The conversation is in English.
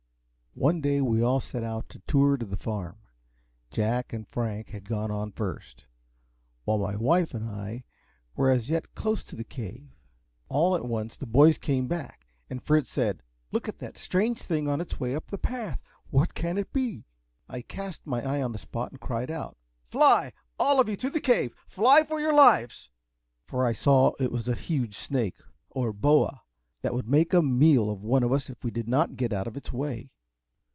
One day we all set out on a tour to the Farm. Jack and Frank had gone on first, while my wife and I were as yet close to the Cave. All at once the boys came back, and Fritz said, "Look at that strange thing on its way up the path. What can it be?" I cast my eye on the spot and cried out, "Fly all of you to the Cave! fly for your lives!" for I saw it was a huge snake, or boa, that would make a meal of one of us, if we did not get out of its way.